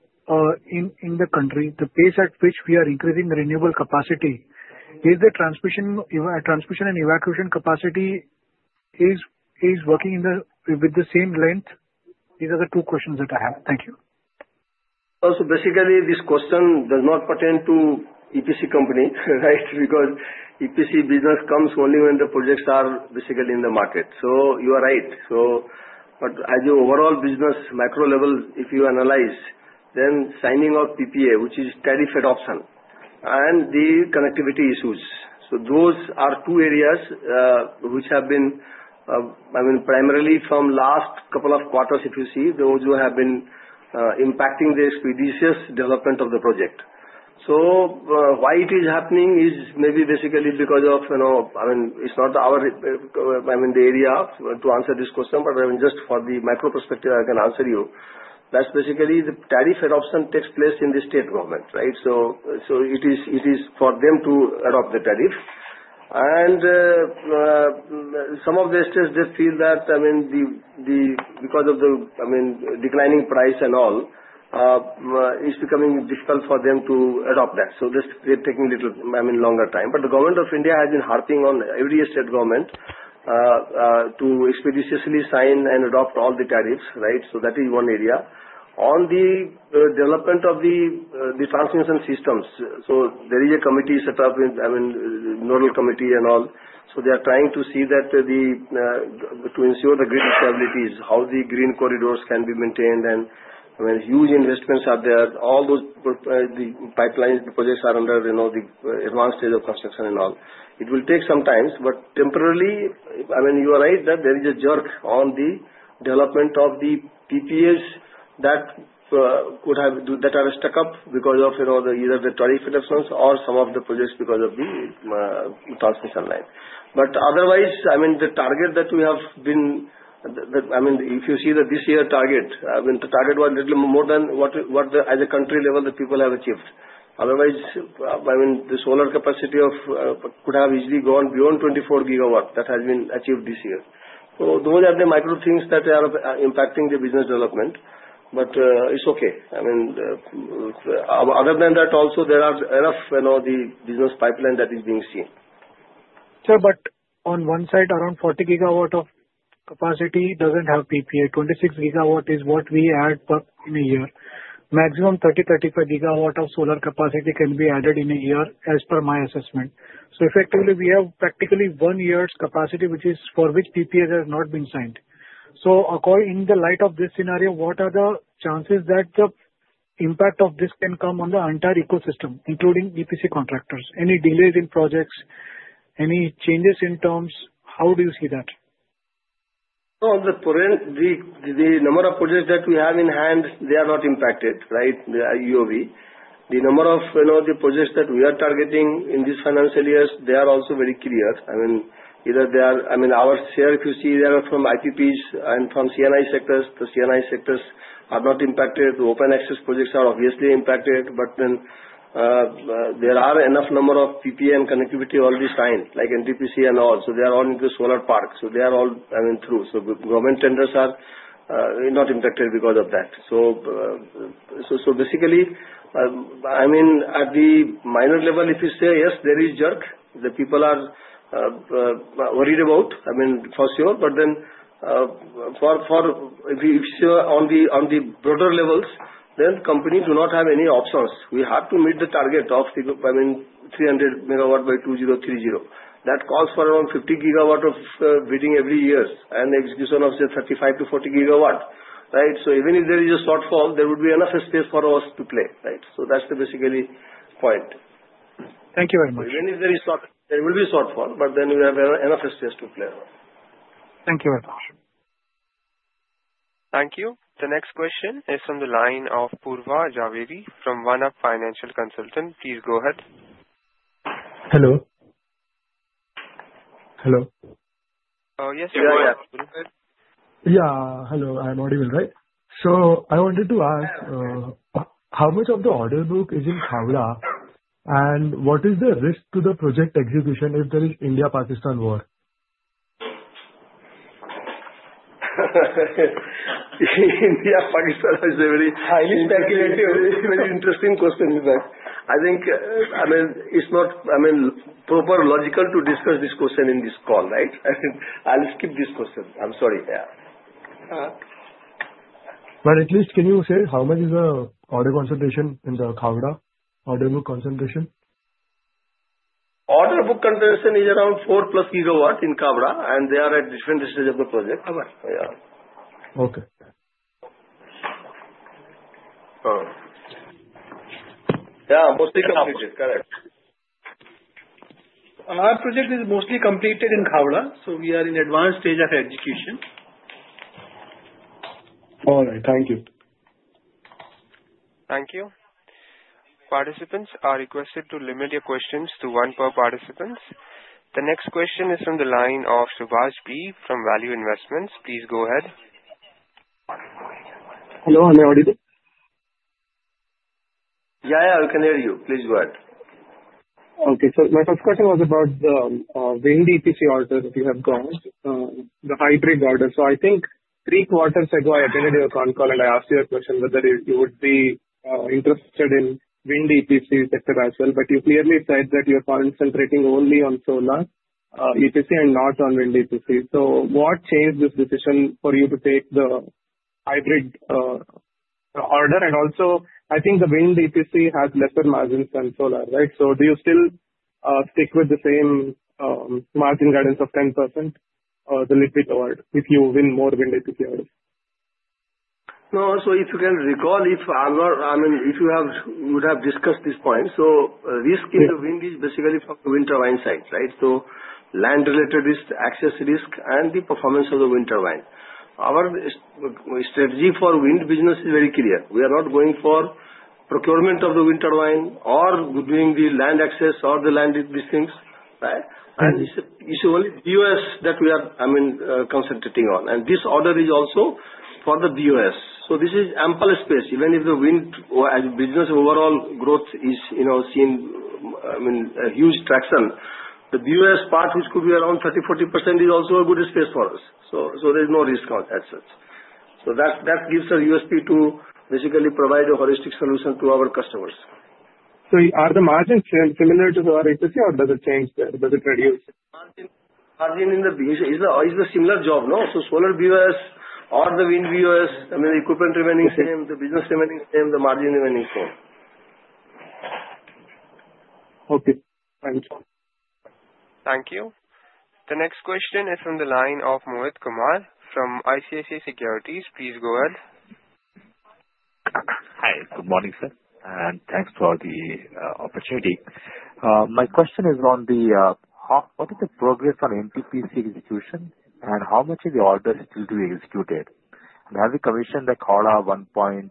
in the country, the pace at which we are increasing the renewable capacity? Is the transmission and evacuation capacity working with the same length? These are the two questions that I have. Thank you. Also, basically, this question does not pertain to EPC company, right, because EPC business comes only when the projects are basically in the market. You are right. At the overall business, macro level, if you analyze, then signing of PPA, which is tariff adoption, and the connectivity issues. Those are two areas which have been, I mean, primarily from last couple of quarters, if you see, those have been impacting the expeditious development of the project. Why it is happening is maybe basically because of, I mean, it's not our, I mean, the area to answer this question, but just for the macro perspective, I can answer you. That's basically the tariff adoption takes place in the state government, right? It is for them to adopt the tariff. Some of the states, they feel that, I mean, because of the, I mean, declining price and all, it's becoming difficult for them to adopt that. They are taking a little, I mean, longer time. The government of India has been harping on every state government to expeditiously sign and adopt all the tariffs, right? That is one area. On the development of the transmission systems, there is a committee set up with, I mean, the nodal committee and all. They are trying to see that to ensure the grid stabilities, how the green corridors can be maintained, and huge investments are there. All those pipeline projects are under the advanced stage of construction and all. It will take some time, but temporarily, I mean, you are right that there is a jerk on the development of the PPAs that are stuck up because of either the tariff adoptions or some of the projects because of the transmission line. Otherwise, I mean, the target that we have been, I mean, if you see this year target, I mean, the target was a little more than what the other country level that people have achieved. Otherwise, I mean, the solar capacity could have easily gone beyond 24 gigawatts that has been achieved this year. Those are the micro things that are impacting the business development. It's okay. I mean, other than that, also, there are enough in the business pipeline that is being seen. Sir, but on one side, around 40 gigawatts of capacity does not have PPA. 26 gigawatts is what we add through the year. Maximum 30-35 gigawatts of solar capacity can be added in a year as per my assessment. Effectively, we have practically one year's capacity for which PPAs have not been signed. So according in the light of this scenario, what are the chances that the impact of this can come on the entire ecosystem, including EPC contractors? Any delays in projects? Any changes in terms? How do you see that? On the number of projects that we have in hand, they are not impacted, right, the UOV. The number of the projects that we are targeting in these financial years, they are also very clear. I mean, either they are, I mean, our share, if you see, they are from IPPs and from C&I sectors. The C&I sectors are not impacted. The open access projects are obviously impacted. There are enough number of PPA and connectivity already signed, like NTPC and all. They are all in the solar park. They are all, I mean, through. Government tenders are not impacted because of that. Basically, I mean, at the minor level, if you say, yes, there is jerk, the people are worried about, I mean, for sure. If you see on the broader levels, then companies do not have any options. We have to meet the target of, I mean, 300 megawatts by 2030. That calls for around 50 gigawatts of bidding every year and the execution of the 35-40 gigawatts, right? Even if there is a shortfall, there would be enough space for us to play, right? That is the basically point. Thank you very much. Even if there is shortfall, there will be shortfall, but then we have enough space to play. Thank you very much. Thank you. The next question is from the line of Purva Jhaveri from OneUp Financial Consultants. Please go ahead. Hello. Yes, you are unmuted. Yeah. Hello. I am audible, right? I wanted to ask, how much of the order book is in Khavda, and what is the risk to the project execution if there is India-Pakistan war? India-Pakistan is a very speculative, very interesting question, in fact. I think, I mean, it's not, I mean, proper logical to discuss this question in this call, right? I'll skip this question. I'm sorry. Yeah. At least can you say how much is the order book concentration in the Khavda, order book concentration? Order book concentration is around 4 plus gigawatts in Khavda and they are at different stages of the project. Right. Yeah. Okay. Yeah. Mostly completed. Correct. Our project is mostly completed in Khavda so we are in advanced stage of execution. All right. Thank you. Thank you. Participants are requested to limit your questions to one per participant. The next question is from the line of Subhash V from Value Investments. Please go ahead. Hello. I'm audible. Yeah. Yeah. We can hear you. Please go ahead. Okay. My first question was about the wind EPC order that you have gone, the hybrid order. I think three quarters ago, I attended your phone call, and I asked you a question whether you would be interested in wind EPC sector as well. You clearly said that you are concentrating only on solar EPC and not on wind EPC. What changed this decision for you to take the hybrid order? I think the wind EPC has lesser margins than solar, right? Do you still stick with the same margin guidance of 10% or a little bit lower if you win more wind EPC orders? No. If you can recall, if I mean, if you would have discussed this point, risk in the wind is basically from the wind turbine side, right? Land-related risk, access risk, and the performance of the wind turbine. Our strategy for wind business is very clear. We are not going for procurement of the wind turbine or doing the land access or the land these things, right? It is only BOS that we are, I mean, concentrating on. This order is also for the BOS. There is ample space. Even if the wind business overall growth is seeing, I mean, a huge traction, the BOS part, which could be around 30%-40%, is also a good space for us. There is no risk on that such. That gives us USP to basically provide a holistic solution to our customers. Are the margins similar to the other EPC, or does it change there? Does it reduce? Margin in the BOS is a similar job, no? Solar BOS or the wind BOS, I mean, the equipment remaining same, the business remaining same, the margin remaining the same. Okay. Thank you. Thank you. The next question is from the line of Mohit Kumar from ICICI Securities. Please go ahead. Hi. Good morning, sir. Thanks for the opportunity. My question is on what is the progress on NTPC execution, and how much of the orders will be executed? Have you commissioned the Khavda 1.3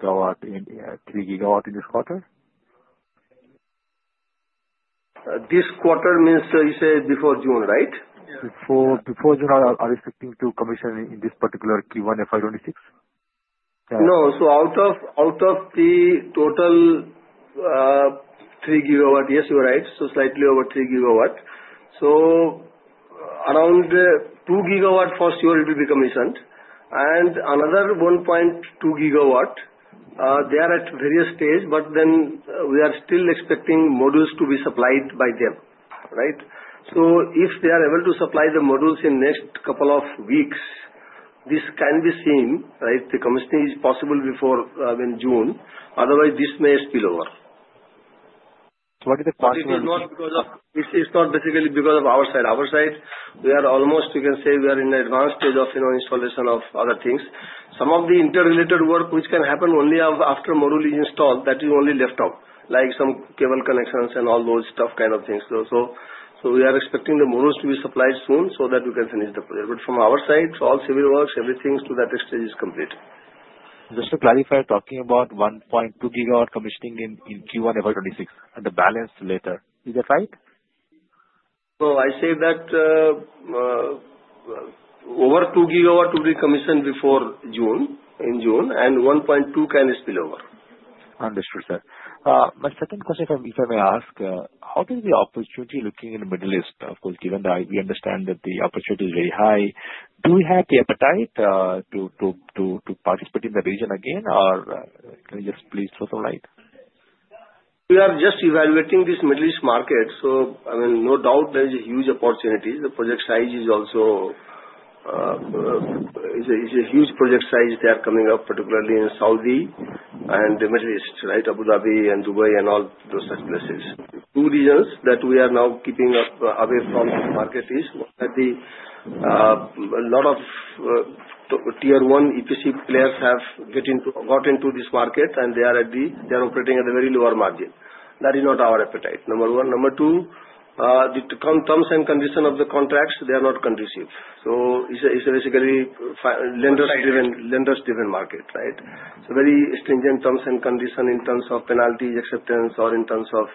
gigawatt in this quarter? This quarter means you say before June, right? Before June, are you expecting to commission in this particular Q1 FY2026? No. Out of the total 3 gigawatt, yes, you're right. Slightly over 3 gigawatt. Around 2 gigawatt for sure will be commissioned. Another 1.2 gigawatt, they are at various stages, but we are still expecting modules to be supplied by them, right? If they are able to supply the modules in the next couple of weeks, this can be seen, right? The commissioning is possible before June. Otherwise, this may spill over. What is the possibility? It is not basically because of our side. Our side, we are almost, you can say, we are in the advanced stage of installation of other things. Some of the interrelated work, which can happen only after the module is installed, that is only left up, like some cable connections and all those stuff kind of things. We are expecting the modules to be supplied soon so that we can finish the project. From our side, all civil works, everything to that stage is complete. Just to clarify, talking about 1.2 gigawatt commissioning in Q1 FY2026 and the balance later. Is that right? No. I say that over 2 gigawatt will be commissioned before June, in June, and 1.2 can spill over. Understood, sir. My second question, if I may ask, how does the opportunity look in the Middle East? Of course, given that we understand that the opportunity is very high, do we have the appetite to participate in the region again, or can you just please close the line? We are just evaluating this Middle East market. I mean, no doubt there is a huge opportunity. The project size is also a huge project size that is coming up, particularly in Saudi and the Middle East, right? Abu Dhabi and Dubai and all those such places. Two reasons that we are now keeping away from this market is one that a lot of tier one EPC players have got into this market, and they are operating at a very lower margin. That is not our appetite, number one. Number two, the terms and conditions of the contracts, they are not conducive. It's basically a lenders-driven market, right? Very stringent terms and conditions in terms of penalties, acceptance, or in terms of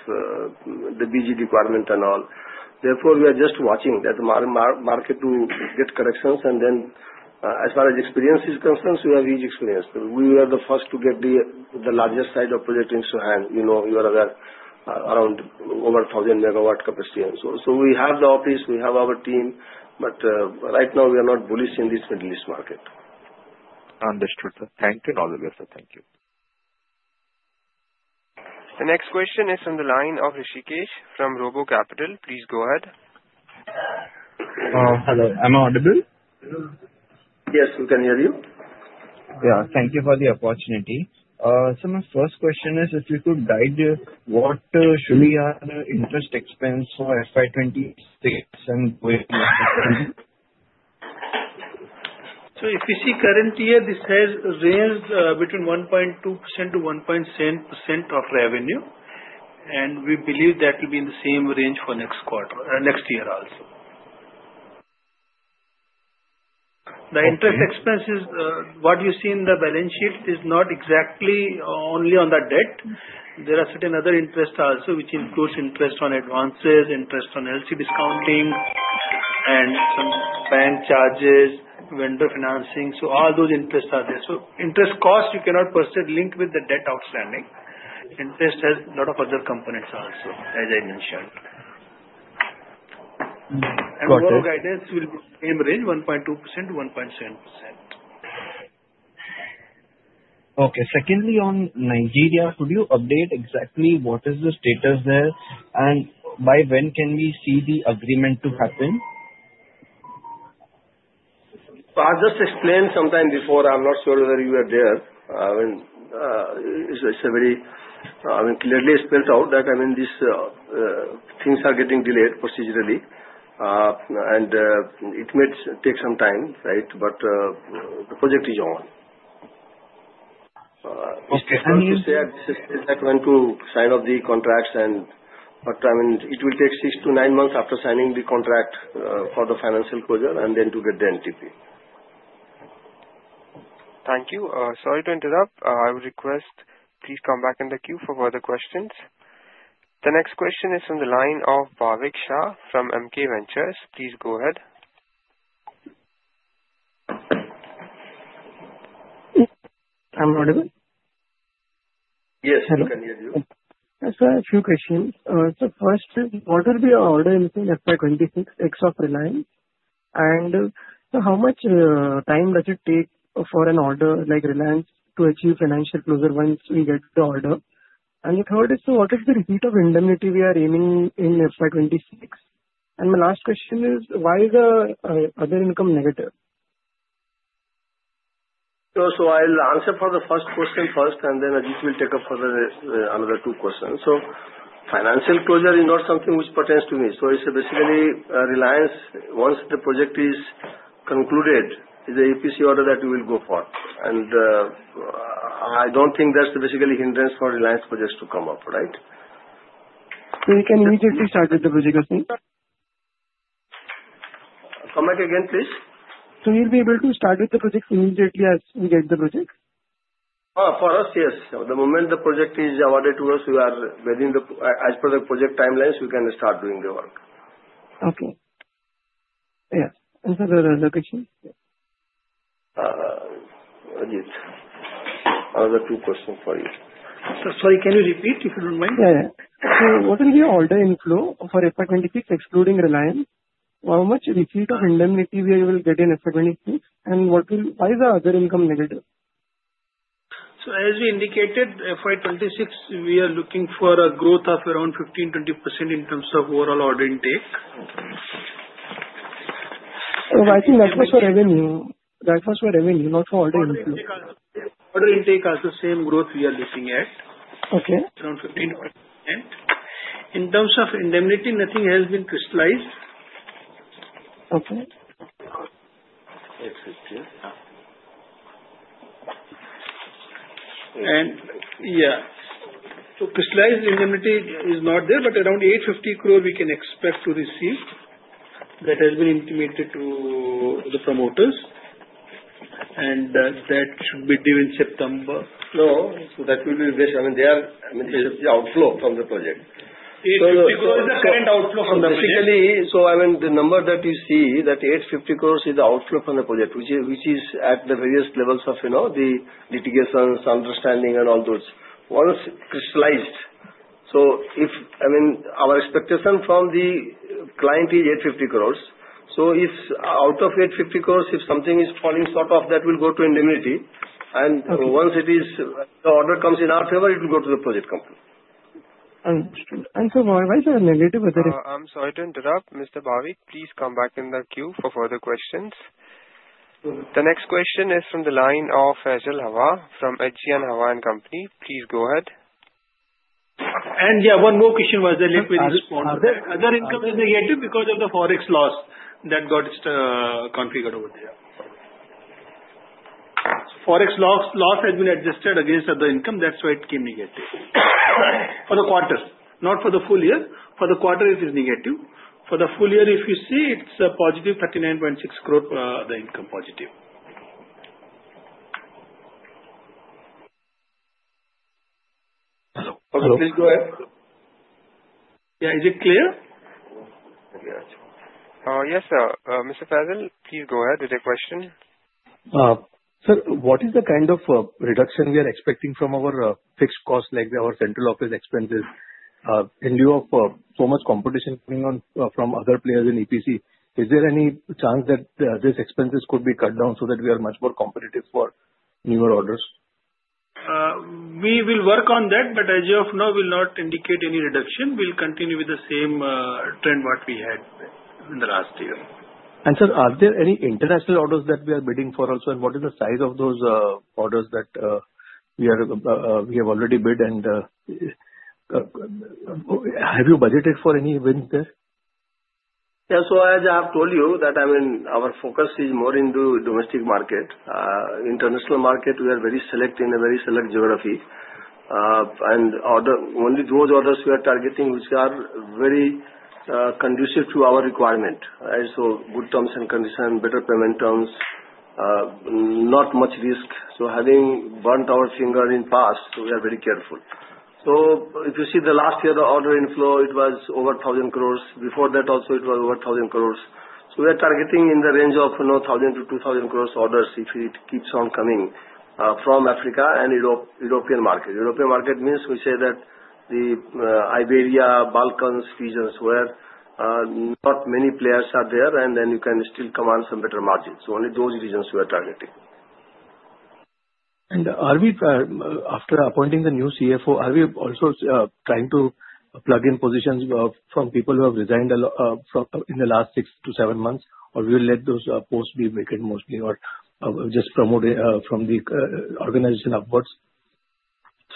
the BG requirement and all. Therefore, we are just watching that the market will get corrections. As far as experience is concerned, we have huge experience. We were the first to get the largest size of project into hand. You are around over 1,000 megawatt capacity. We have the office. We have our team. Right now, we are not bullish in this Middle East market. Understood, sir. Thank you in all the way, sir. Thank you. The next question is from the line of Rishikesh from RoboCapital. Please go ahead. Hello. I'm audble. Yes. We can hear you. Yeah. Thank you for the opportunity. My first question is, if you could guide what should be our interest expense for FY 2026 and going into Q1? EPC current year, this has ranged between 1.2%-1.7% of revenue. We believe that will be in the same range for next quarter, next year also. The interest expenses, what you see in the balance sheet is not exactly only on the debt. There are certain other interests also, which includes interest on advances, interest on LC discounting, and some bank charges, vendor financing. All those interests are there. Interest cost, you cannot per se link with the debt outstanding. Interest has a lot of other components also, as I mentioned. Got it. The guidance will be in the same range, 1.2%-1.7%. Okay. Secondly, on Nigeria, could you update exactly what is the status there? By when can we see the agreement to happen? I'll just explain sometime before. I'm not sure whether you were there. I mean, it's very, I mean, clearly spelled out that, I mean, these things are getting delayed procedurally. It may take some time, right? The project is on. Okay. I mean. Y ou said that when to sign off the contracts and what time. It will take six to nine months after signing the contract for the financial closure and then to get the NTP. Thank you. Sorry to interrupt. I would request please come back in the queue for further questions. The next question is from the line of Bhavik Shah from MK Ventures. Please go ahead. I'm audible. Yes. We can hear you. Yes. A few questions. First is, what will be our order in FY 2026 except Reliance? How much time does it take for an order like Reliance to achieve financial closure once we get the order? Third is, what is the receipt of indemnity we are aiming in FY 2026? My last question is, why is the other income negative? I'll answer for the first question first, and then Ajit will take up for another two questions. Financial closure is not something which pertains to me. It's basically Reliance, once the project is concluded, is the EPC order that we will go for. I don't think that's basically hindrance for Reliance projects to come up, right? We can immediately start with the project, I think. Come back again, please. Will we be able to start with the project immediately as we get the project? For us, yes. The moment the project is awarded to us, as per the project timelines, we can start doing the work. Okay. Yes. For the other question? Ajit, another two questions for you. Sorry. Can you repeat if you don't mind? Yeah. Yeah. What will be the order inflow for FY 2026 excluding Reliance? How much receipt of indemnity will we get in FY 2026? Why is the other income negative? As we indicated, FY 2026, we are looking for a growth of around 15%-20% in terms of overall order intake. I think that was for revenue. That was for revenue, not for order inflow. Order intake has the same growth we are looking at, around 15%. In terms of indemnity, nothing has been crystallized. Okay. Yeah. Crystallized indemnity is not there, but around 850 crore we can expect to receive. That has been intimated to the promoters, and that should be due in September. No. That will be invested. I mean, this is the outflow from the project. 850 crore is the current outflow from the project. Basically, I mean, the number that you see, that 850 crores is the outflow from the project, which is at the various levels of the litigations, understanding, and all those. Once crystallized, I mean, our expectation from the client is 850 crores. Out of 850 crores, if something is falling short of that, we'll go to indemnity. Once the order comes in our favor, it will go to the project company. Understood. Why was it negative? I'm sorry to interrupt. Mr. Bhavik, please come back in the queue for further questions. The next question is from the line of Faisal Hawa from H.G. Hawa and Company. Please go ahead. Yeah, one more question was I left with responders. Other income is negative because of the Forex loss that got configured over there. So Forex loss has been adjusted against other income. That's why it came negative for the quarter. Not for the full year. For the quarter, it is negative. For the full year, if you see, it's a positive 39.6 crore per other income positive. Hello. Okay. Please go ahead. Yeah. Is it clear? Yes, sir. Mr. Faisal, please go ahead. Is there a question? Sir, what is the kind of reduction we are expecting from our fixed costs, like our central office expenses? In view of so much competition coming on from other players in EPC, is there any chance that these expenses could be cut down so that we are much more competitive for newer orders? We will work on that, but as you know, we will not indicate any reduction. We will continue with the same trend what we had in the last year. Sir, are there any international orders that we are bidding for also? What is the size of those orders that we have already bid? Have you budgeted for any wins there? Yeah. As I have told you, I mean, our focus is more into the domestic market. International market, we are very select in a very select geography. Only those orders we are targeting, which are very conducive to our requirement, right? Good terms and conditions, better payment terms, not much risk. Having burnt our finger in past, we are very careful. If you see the last year, the order inflow, it was over 1,000 crores. Before that also, it was over 1,000 crore. We are targeting in the range of 1,000-2,000 crores orders if it keeps on coming from Africa and European market. European market means we say the Iberia, Balkans regions where not many players are there, and then you can still command some better margins. Only those regions we are targeting. Are we, after appointing the new CFO, also trying to plug in positions from people who have resigned in the last six to seven months? Will we let those posts be vacant mostly or just promoted from the organization upwards?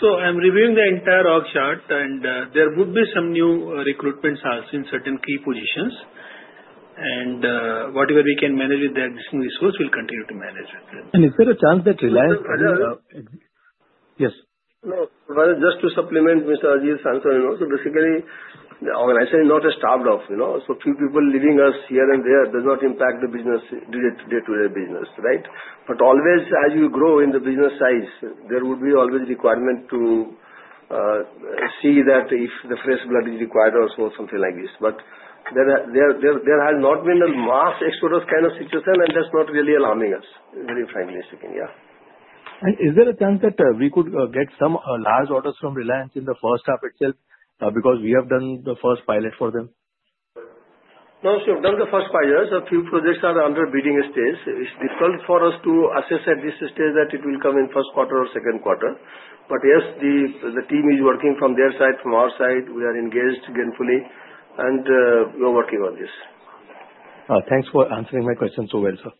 I'm reviewing the entire org chart, and there would be some new recruitments in certain key positions. Whatever we can manage with the existing resource, we'll continue to manage with it. Is there a chance that Reliance, yes. No. Just to supplement Mr. Ajit's answer, basically, the organization is not a startup. Few people leaving us here and there does not impact the day-to-day business, right? Always, as you grow in the business size, there will always be a requirement to see if fresh blood is required or something like this. There has not been a mass exodus kind of situation, and that's not really alarming us, very frankly speaking. Yeah. Is there a chance that we could get some large orders from Reliance in the first half itself because we have done the first pilot for them? No. We have done the first pilot. A few projects are under bidding stage. It is difficult for us to assess at this stage if it will come in first quarter or second quarter. Yes, the team is working from their side, from our side. We are engaged again fully. We are working on this. Thanks for answering my question so well, sir.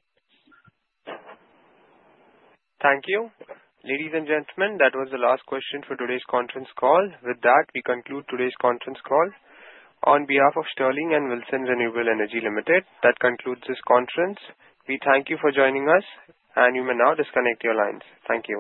Thank you. Ladies and gentlemen, that was the last question for today's conference call. With that, we conclude today's conference call. On behalf of Sterling and Wilson Renewable Energy Limited, that concludes this conference. We thank you for joining us, and you may now disconnect your lines. Thank you.